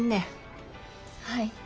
はい。